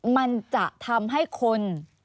มันจะทำให้คน